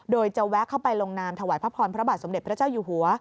โดยจะแวะเข้าไปลงนามถวายพระพรพระบาทสมเด็จพระเจ้าอยู่หัว